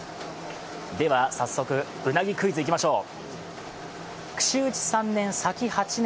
では、早速、うなぎクイズいきましょう。